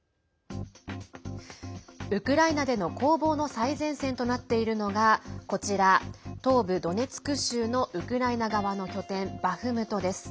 ウクライナでの攻防の最前線となっているのがこちら、東部ドネツク州のウクライナ側の拠点バフムトです。